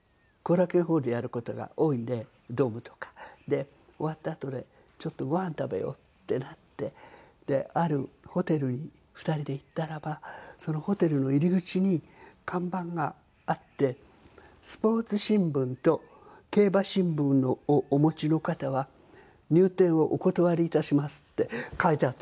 で終わったあとでちょっとご飯食べようってなってあるホテルに２人で行ったらばそのホテルの入り口に看板があって「スポーツ新聞と競馬新聞をお持ちの方は入店をお断り致します」って書いてあったのよね。